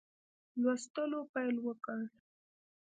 لوستلو پیل وکړ.